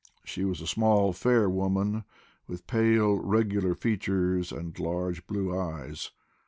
She was a small, fair woman, with pale, regular features and large blue eyes.